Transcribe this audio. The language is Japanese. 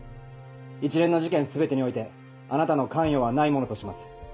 一連の事件全てにおいてあなたの関与はないものとします。